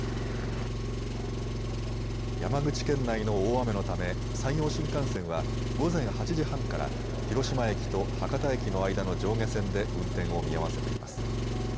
山口県内の大雨のため山陽新幹線は午前８時半から広島駅と博多駅の間の上下線で運転を見合わせています。